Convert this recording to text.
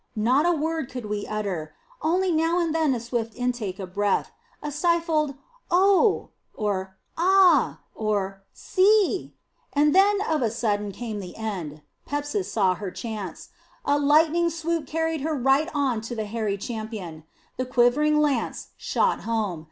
Not a word could we utter; only now and then a swift intake of breath; a stifled "O" or "Ah" or "See." And then of a sudden came the end. Pepsis saw her chance. A lightning swoop carried her right on to the hairy champion. The quivering lance shot home.